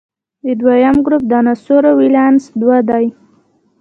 د دویم ګروپ د عنصرونو ولانس دوه دی.